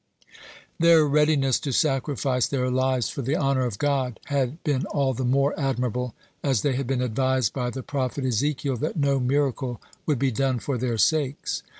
(92) Their readiness to sacrifice their lives for the honor of God had been all the more admirable as they had been advised by the prophet Ezekiel that no miracle would be done for their sakes.